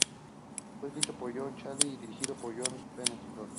Fue escrito por Jason Cahill y dirigido por John Patterson.